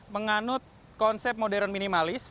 menganut konsep modern minimalis